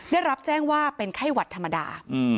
ได้รับแจ้งว่าเป็นไข้หวัดธรรมดา